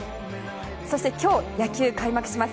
そして今日野球が開幕します。